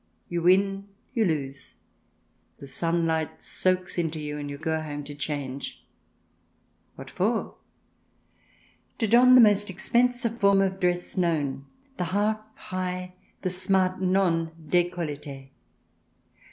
You win, you lose, the sunlight soaks into you, and you go home to change. What for ? To don the most expensive form of dress known, the half high, the smart non decollete.